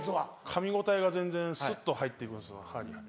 かみ応えが全然スッと入って行くんです歯に。